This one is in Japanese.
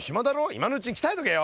今のうちに鍛えとけよ。